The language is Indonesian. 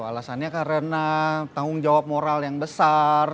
alasannya karena tanggung jawab moral yang besar